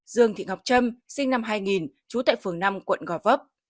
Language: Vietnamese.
dương thị ngọc trâm sinh năm hai nghìn trú tại phường năm quận gò vấp